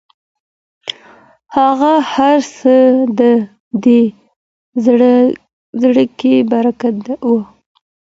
هغه هرڅه د دې زرکي برکت و